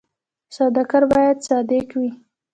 سوداګر باید صادق وي